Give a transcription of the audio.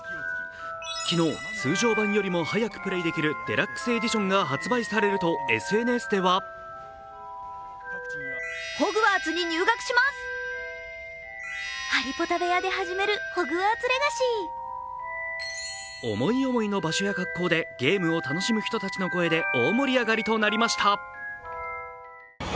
昨日、通常版より早くプレーできるデラックス・エディションが発売されるとＳＮＳでは思い思いの場所や格好でゲームを楽しむ人たちの声で大盛り上がりとなりました。